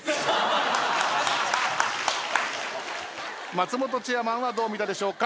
松本チェアマンはどう見たでしょうか？